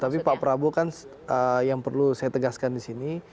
tapi pak prabowo kan yang perlu saya tegaskan di sini